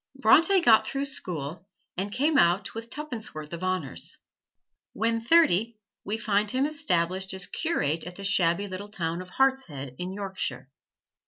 Bronte got through school and came out with tuppence worth of honors. When thirty, we find him established as curate at the shabby little town of Hartshead, in Yorkshire.